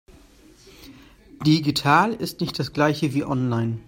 Digital ist nicht das Gleiche wie online.